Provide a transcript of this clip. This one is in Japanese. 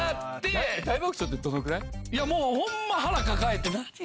もうホンマ腹抱えて。